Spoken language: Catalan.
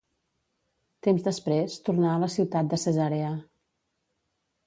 Temps després tornà a la ciutat de Cesarea.